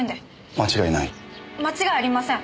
間違いありません。